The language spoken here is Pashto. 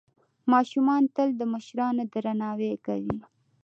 ماشومان تل د مشرانو درناوی کوي.